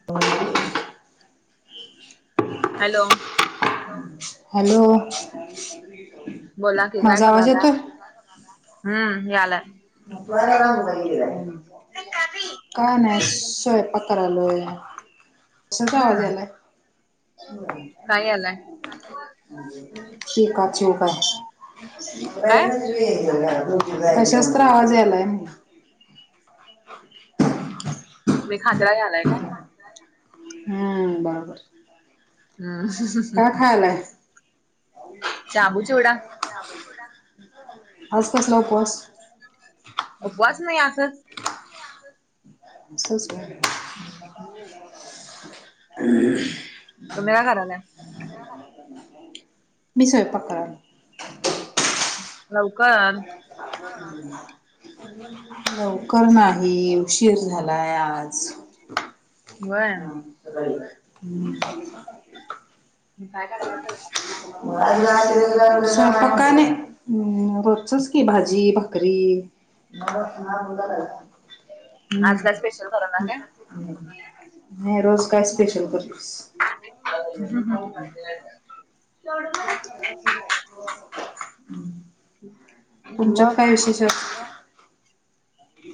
[inaudible] Hello! Hello बोला की काय मजा आवाज करायला येतोय. हम्म याला. का नाही श पत्र लोया. कश्याचा आवाज हम्म यालाय? काय यालाय पीकची काय. काय कशातर आवाज यायलाय म्हटल. [inaudible] मी खातताय आलाय काय? हम्म बरोबर, काय [inaudible] खायलाय शाबू चिवडा. शाबु चिवडा, आज कसला उपवास? उपवास नाही असंच. सच हम् ह तुम्ही काय करायलाय मी स्वयपाक करयलोय. लवकर, हम लवकर नाही उशीर झालाय आज. व्हय. हम्म तुम्ही काय करायलाय स्वयंपाक स्वयंपाक का नाही? हम्म रोजचच की भाजी भाकरी. हम्म. ह आज काय स्पेशल करणार काय हम् रोज काय स्पेशल करतिस? [unintelligible] [unintelligible] तुमच्यात मग काय विशेष हाय?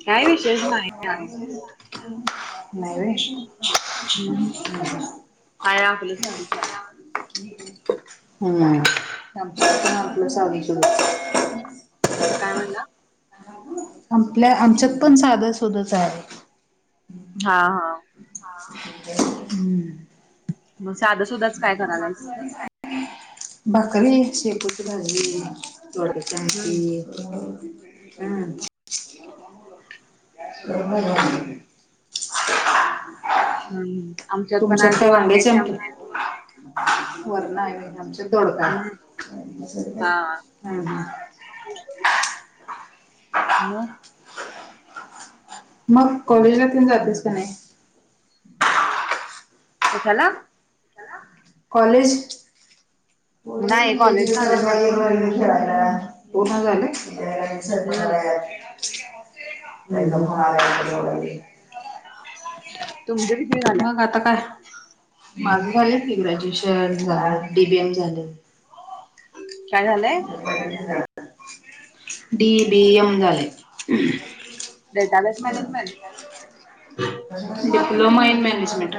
काय विषेश नाही आज. नाही हम्म. हाय आपलं साधं साधं होय. [unintelligible] हम आमच्यात आट दिवस आधी काय म्हनला? नाय आमच्यात पण साधं सुधच आहे. हा हा हम्म मग साधा सुद्धाच काय करालायसा. भाकरी एक शेपूची भाजी दोडक्याची हम्म आमटी. [unintelligible] [unintelligible] हम्म आमच्यात पण आज वरण्याचे आमदेत. [unintelligible] नाही आहे आमच्या तोडका हम्म हाय. आणि मसाले भात? हा हम्म मग? मग कॉलेजला तेन जातेस का नाही? कशाला? कॉलेज? [unintelligible] [unintelligible] [unintelligible] नाही कॉलेज झालंय माझं हम्म तुमचं किती झाल्या मग आता काय? माझ झाले की ग्रॅज्युएशन डी बी एम झाले. काय झालंय [unintelligible] डी बी एम झाले. Database management? Diploma in management.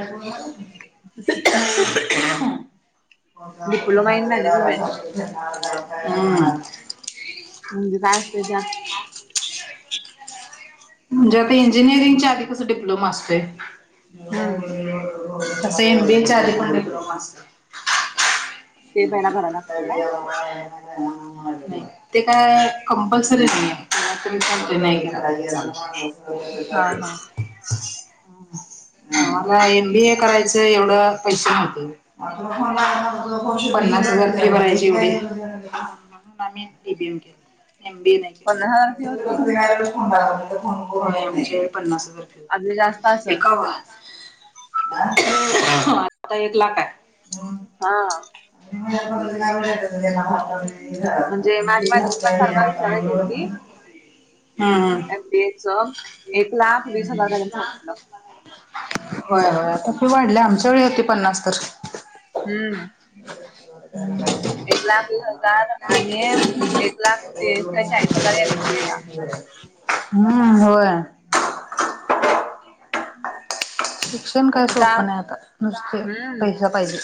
[unintelligible] Diploma in management [unintelligible] हम्म. म्हणजे काय असते त्यात? म्हणजे आता इंजिनिअरिंगच्या आधी कसं डिप्लोमा असतोय? हम्म [unintelligible] तसं एम बी ए च्या आधी हा डिप्लोमा असतोय. ते पहिला करायला लागते काय हम्म [unintelligible] ते काय कंपल्सरी नाहीये [unintelligible] हा हा [unintelligible] आम्हाला एम बी ए करायचं एवढं पैसे नव्हते. पन्नास हजार हम्म फी भरायची होती. म्हणून आम्ही डी बी एम घेतलं एम बी ए नाही घेतलं. पन्नास हजार फी होती [unintelligible] पन्नास अजून हजार जास्त असेल होती. [unintelligible] आत्ता एक लाख हाय. हा. [unintelligible] म्हणजे माझी मैत्रीण पण परवा विचारायला [inaudible] एम बी ए चं एक लाख वीस हजार काय तर सांगितलं. व्हय व्हय भरपूर वाढले आमच्या वेळी होती पन्नास तर. हम्म. [unintelligible] एक लाख वीस हजार आणि एक लाख तीस का चाळीस हजार एम सी ए ला. [inaudible] हम्म होय. [inaudible] शिक्षण काही सोपं नाही आता नुसते हम्म पैसा पाहिजे.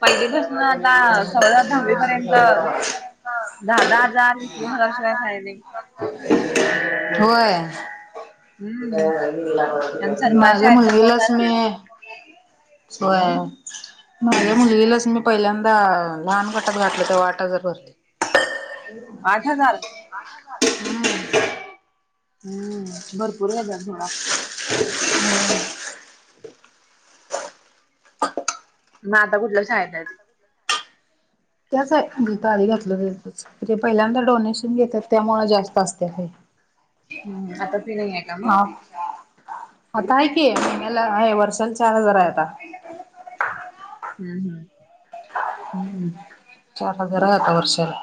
पहिलीपासनं आता सगळं दहावीपर्यंत दहा दहा हजार वीस वीस हजारशिवाय काय नाही. व्हय. हम्म आणि सरकारी माझ्या शाळेत तर कोण काय मुलगीलाच मी, घालत नाही. व्हय. माझ्या मुलगीलाच मी पहिल्यांदा लहान गटात घातलं तेव्हा आठ हजार भरली. [inaudible] आठ हजार? आठ हजार? हम्म. ह.. भरपूर घेत्यात सोडा. होय. मग आता कुठल्या शाळेत हाईत? त्याच आहे जिथं आधी घातलंतं तिथं. जे पहिल्यांदा डोनेशन घेत्यात त्यामुळं जास्त असत्या फी. हं.. आता फी नाही आहे का मग? हा आता हाय की, महिन्याला हे वर्षाला चार हजार आहे आता. हुं.. हुं.. हं.. चार हजार हाय आता वर्षाला.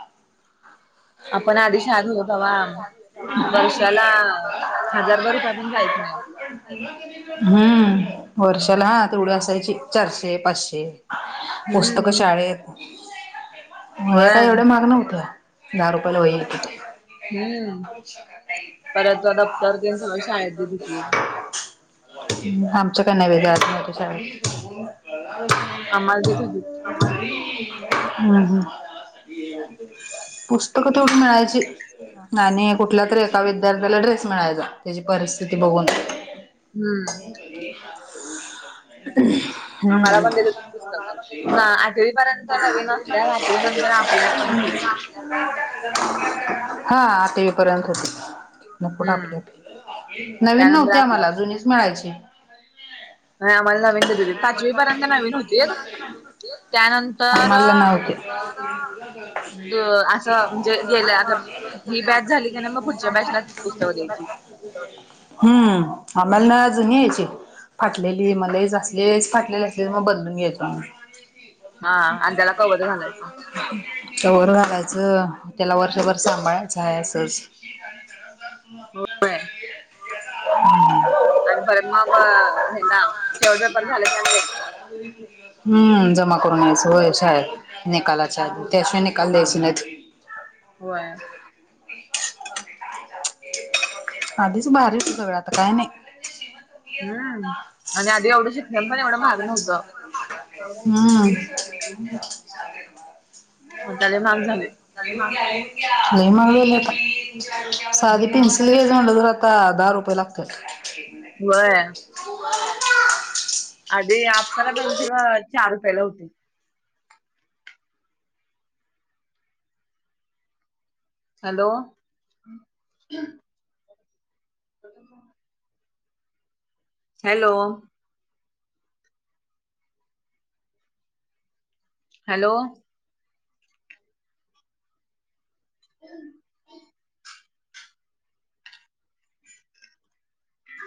आपण आधी शाळेत हुतो तवा वर्षाला हजार बर रुपये पण जायच नाही आपलं. हं.. वर्षाला हा तेवढी असायची चारशे -पाचशे. तग हम्म शाळेत वह्या होय काय एवढ्या महाग नव्हत्या, दहा रुपयाला वही येत हुती. हम्म परत दप्तर तेन सगळं शाळेत देत होती. [unintelligible] हुं.. आमच्या काय नाही बाई, जात नव्हतो शाळेत. आम्हांला देत हुतीत. हं.. हं... पुस्तकं तेवढी मिळायची. आणि कुठला तरी एका विद्यार्थ्याला ड्रेस मिळायचा, त्येजी परिस्थिती बघून. हम्म आम्हाला पण देत हं... होतीत पुस्तकं. [unintelligible] ना आठवी पर्यंत नवीन असत्यात आठवी नंतर आपल्या पण घ्यायचं. हां आठवी पर्यंत होती. तितनं पुढं आपली हम्म -आपली नवीन त्यानंतर नव्हती आपला आम्हांला जुनीच मिळायची. नाही आम्हांला नवीन देत हुतीत, पाचवी पर्यंत नवीन हुतीत. आम्हांला नव्हती. द असं म्हणजे गेलं आता ही बॅच झाली की नाही मग पुढच्या बॅचला तीच पुस्तकं द्यायची. [unintelligible] ह... आम्हांला जुनी यायची फाटलेली म लईच असलीच फाटलेली असली मग बदलून घ्यायचो आम्हीं. हा आणि त्याला कवर घालायचं. कवर घालायचं, त्याला वर्षभर सांभाळायचं आहे असच. होय. हू.... आणि परत मग हेला शेवट पेपर झाला आणि द्यायचो. हं.. जमा करून यायचं व्हयं शाळेत निकालाच्या हम्म. त्याशिवाय नि काल द्यायची नाहीत. व्हयं. आधीच भारी हुतं सगळं, आता काय नाही. हा आणि आधी एवढं शिक्षण पण एवढं महाग नव्हतं. हं... लई मग त्याले महाग झाले. महाग झालयं आता, साधी पेन्सिल घ्यायचं म्हणलं तर आता दहा रुपये लागत्यात. व्हयं. आई हे काढ. आधी अप्सरा पेन्सिल अं चार रुपयाला होती. Hello. [inaudible] Hello. Hello. [unintelligible]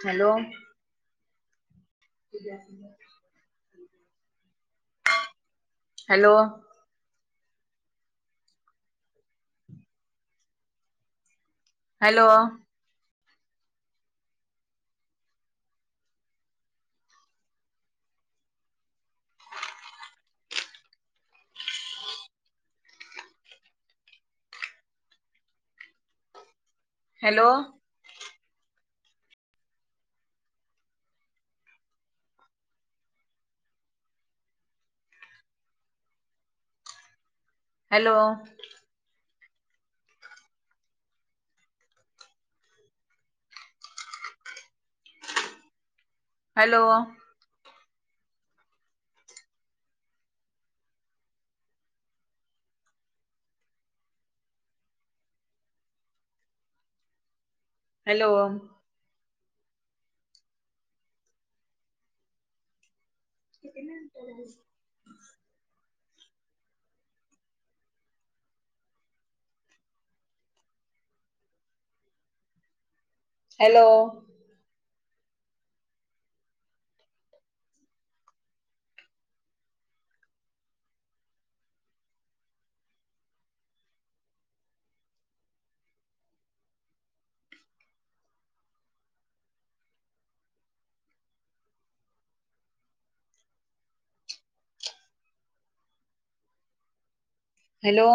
Hello. Hello. Hello. Hello. Hello hello hello [unintelligible] hello hello